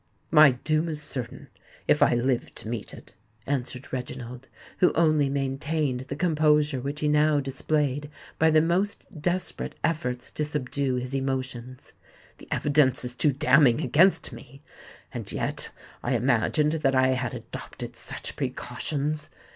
"My doom is certain—if I live to meet it," answered Reginald, who only maintained the composure which he now displayed by the most desperate efforts to subdue his emotions. "The evidence is too damning against me. And yet I imagined that I had adopted such precautions!"